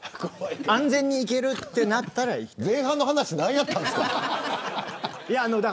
安全に行けるとなったら行きたい前半の話、何やったんですか。